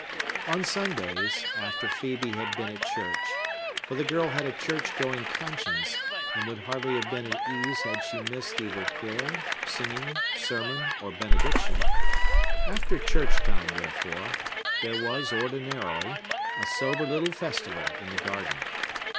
On Sundays, after Phœbe had been at church,—for the girl had a church going conscience, and would hardly have been at ease had she missed either prayer, singing, sermon, or benediction,—after church time, therefore, there was, ordinarily, a sober little festival in the garden.